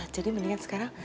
jadi mendingan sekarang